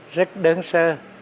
rất đơn sơ